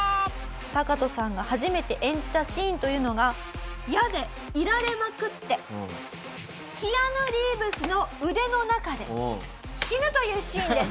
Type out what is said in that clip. タカトさんが初めて演じたシーンというのが矢で射られまくってキアヌ・リーブスの腕の中で死ぬというシーンです。